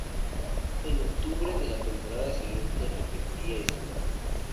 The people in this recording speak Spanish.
En octubre de la temporada siguiente repetiría ese logro.